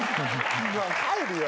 帰るよ